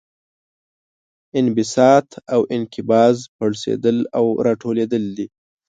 انبساط او انقباض پړسیدل او راټولیدل دي.